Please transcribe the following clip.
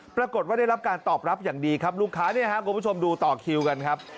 ปรากฏว่าได้รับการตอบรับอย่างดีครับลูกค้าเนี่ยครับคุณผู้ชมดูต่อคิวกันครับ